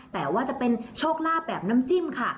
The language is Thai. แต่ว่าจะเป็นโชคลาภแบบน้ำจิ้มค่ะ